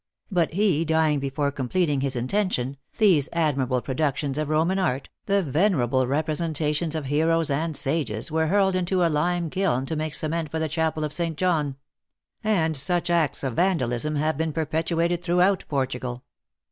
But he dying before completing his intention, these admirable productions of Eoman art, the venerable representations of heroes and sages, were hurled into a lime kiln to make cement for the chapel of St. John. And such acts of Vandalism have been perpetrated throughout Portugal."